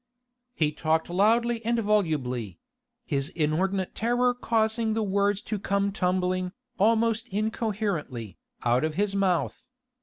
He talked loudly and volubly his inordinate terror causing the words to come tumbling, almost incoherently, out of his mouth.